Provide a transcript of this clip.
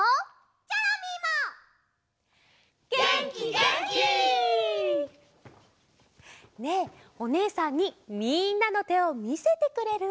げんきげんき！ねえおねえさんにみんなのてをみせてくれる？